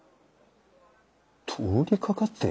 通りかかって？